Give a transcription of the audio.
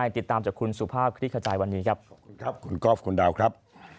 ขอบคุณครับคุณกอฟคุณดาวครับ